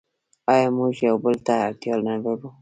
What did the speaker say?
آیا موږ یو بل ته اړتیا نلرو؟